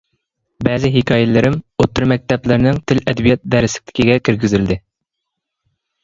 بەزى ھېكايىلىرىم ئوتتۇرا مەكتەپلەرنىڭ تىل-ئەدەبىيات دەرسلىكىگە كىرگۈزۈلدى.